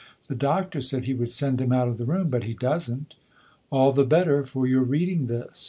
"The Doctor said he would send him out of the room. But he doesn't." " All the better for your reading this."